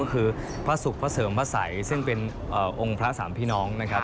ก็คือพระสุขพระเสริมพระสัยซึ่งเป็นองค์พระสามพี่น้องนะครับ